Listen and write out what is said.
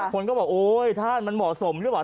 คนก็บอกโอ๊ยท่านมันเหมาะสมหรือเปล่า